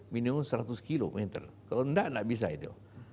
minimum seratus km kalau tidak tidak bisa itu